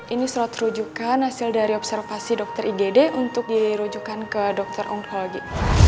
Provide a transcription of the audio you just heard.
ini slot rujukan dari observasi dokter ied untuk dirujukan ke dokter onkologi